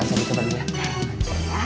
kan saya coba dulu ya